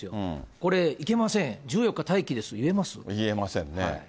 これ、いけません、１４日待機で言えませんね。